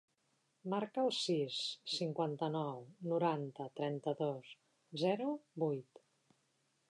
Marca el sis, cinquanta-nou, noranta, trenta-dos, zero, vuit.